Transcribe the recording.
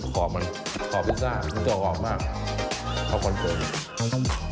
แค่ใจจนเมละ